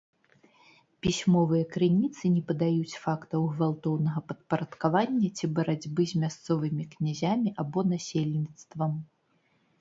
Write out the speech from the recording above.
Пісьмовыя крыніцы не падаюць фактаў гвалтоўнага падпарадкавання ці барацьбы з мясцовымі князямі або насельніцтвам.